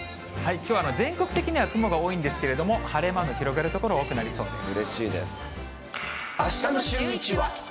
きょうは全国的には雲が多いんですけれども、晴れ間の広がる所が多くなりそうです。